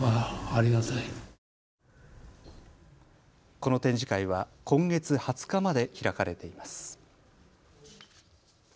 この展示会は今月２０日まで開かれています。